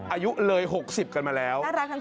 อายุเลย๖๐กันมาแล้ว